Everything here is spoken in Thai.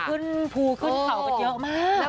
ขึ้นภูขึ้นเขากันเยอะมาก